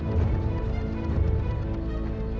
nanti aku akan datang